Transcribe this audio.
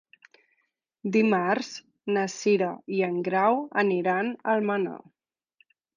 Dimarts na Cira i en Grau aniran a Almenar.